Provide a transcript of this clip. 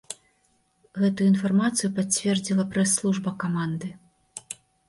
Гэтую інфармацыю пацвердзіла прэс-служба каманды.